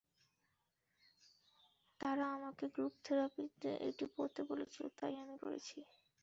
তারা আমাকে গ্রুপ থেরাপিতে এটি পড়তে বলেছিল, তাই আমি করেছি।